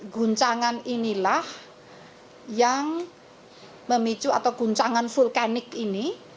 guncangan inilah yang memicu atau guncangan vulkanik ini